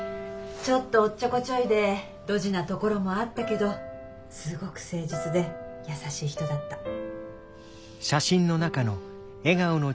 ちょっとおっちょこちょいでドジなところもあったけどすごく誠実で優しい人だった。